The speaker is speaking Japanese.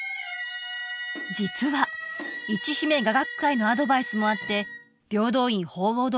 実はいちひめ雅楽会のアドバイスもあって平等院鳳凰堂